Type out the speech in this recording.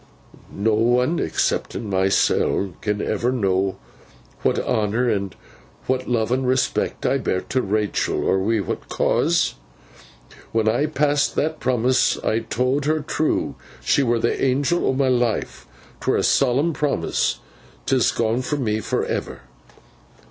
'No one, excepting myseln, can ever know what honour, an' what love, an' respect, I bear to Rachael, or wi' what cause. When I passed that promess, I towd her true, she were th' Angel o' my life. 'Twere a solemn promess. 'Tis gone fro' me, for ever.